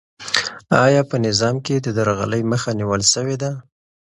آیا په نظام کې د درغلۍ مخه نیول سوې ده؟